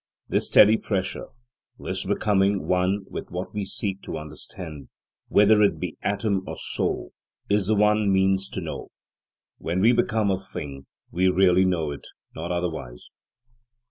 This steady pressure, this becoming one with what we seek to understand, whether it be atom or soul, is the one means to know. When we become a thing, we really know it, not otherwise.